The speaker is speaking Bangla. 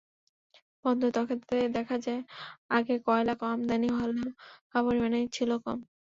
বন্দরের তথ্যে দেখা যায়, আগে কয়লা আমদানি হলেও পরিমাণে ছিল কম।